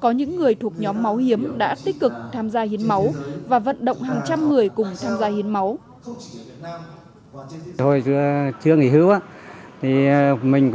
và những lần hiến máu tiêu biểu việt nam